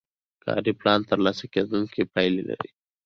کاري پلان ترلاسه کیدونکې پایلې لري.